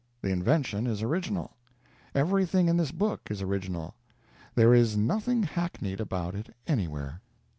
The invention is original. Everything in this book is original; there is nothing hackneyed about it anywhere.